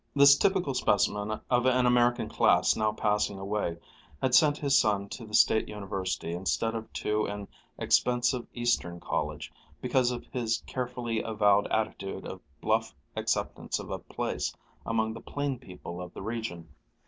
This typical specimen of an American class now passing away, had sent his son to the State University instead of to an expensive Eastern college because of his carefully avowed attitude of bluff acceptance of a place among the plain people of the region.